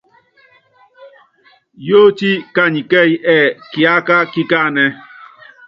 Yóótíe kani kɛ́ɛ́yí ɛ́ɛ́: Kiáká kikáánéé?